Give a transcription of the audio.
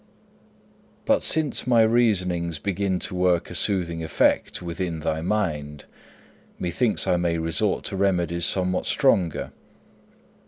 'But since my reasonings begin to work a soothing effect within thy mind, methinks I may resort to remedies somewhat stronger.